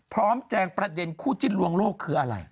แจงประเด็นคู่จิ้นลวงโลกคืออะไร